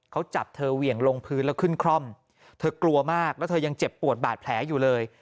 เขาจับเธอเหวี่ยงลงพื้นแล้วขึ้นคร่อมเธอกลัวมากแล้วเธอยังเจ็บปวดบาดแผลอยู่เลย